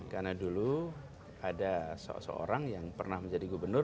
karena dulu ada seorang yang pernah menjadi gubernur